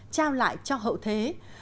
trao lại cho hậu thế